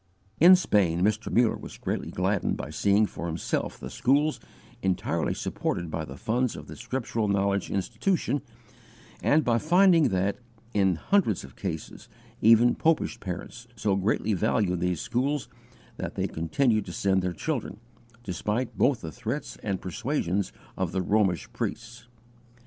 In Spain Mr. Muller was greatly gladdened by seeing for himself the schools, entirely supported by the funds of the Scriptural Knowledge Institution, and by finding that, in hundreds of cases, even popish parents so greatly valued these schools that they continued to send their children, despite both the threats and persuasions of the Romish priests.